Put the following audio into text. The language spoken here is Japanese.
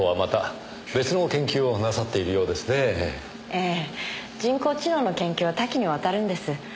ええ人工知能の研究は多岐にわたるんです。